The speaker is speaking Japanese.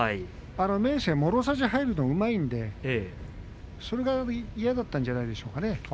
明生は、もろ差しに入るがうまいのでそれが嫌だったんじゃないでしょうかね。